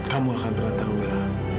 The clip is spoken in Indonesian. kamu akan berantar mila